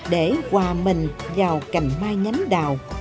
để hòa mình vào cành mai nhánh đào